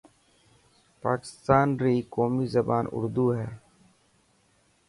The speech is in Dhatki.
پاڪستان ري قومي زبان اردو هي.